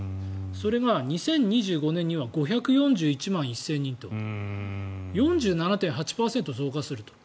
それが２０２５年には５４１万１０００人と４７．８％増加すると。